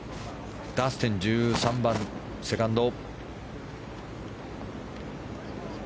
ダスティン、１３番、セカンド。